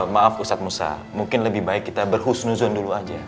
maaf ustadz musa mungkin lebih baik kita berhusnuzon dulu aja